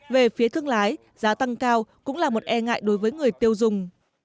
về phía thương lái giá tăng cao cũng là một e ngại đối với người tiêu dùng